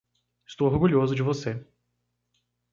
Estou orgulhoso de você.